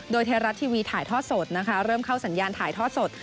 โดยไทยรัฐทีวีถ่ายทอดสดนะคะเริ่มเข้าสัญญาณถ่ายทอดสด